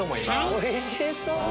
おいしそう！